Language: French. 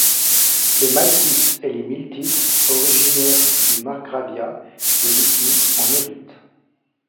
Les Maltitz et les Miltitz, originaires du margraviat de Misnie en héritent.